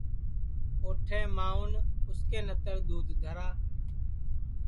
اوٹھے ماںٚون اُس کے نتر دؔودھ دھرا